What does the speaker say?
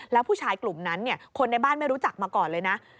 แล้วผู้ชายกลุ่มนั้นคนในบ้านไม่รู้จักมาก่อนเลยนะ